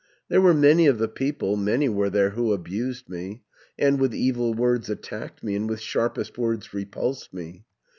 830 "There were many of the people, Many were there who abused me, And with evil words attacked me, And with sharpest words repulsed me.